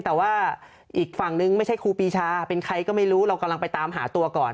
แต่ว่าอีกฝั่งนึงไม่ใช่ครูปีชาเป็นใครก็ไม่รู้เรากำลังไปตามหาตัวก่อน